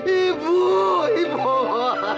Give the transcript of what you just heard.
ibu ibu ibu